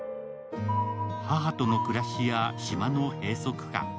母との暮らしや島の閉塞感。